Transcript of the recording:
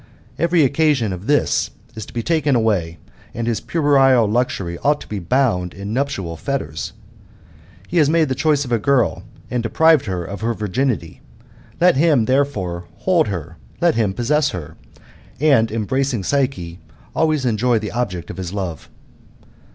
Every occasion of this is to be taken away, and his puerile luxury ought to be bound in nuptial fetters. He has made choice of a girl, and deprived her of her virginity. Let him, therefore, hold her, let him possess her, and embracing Psyche, always enjoy the object of his love."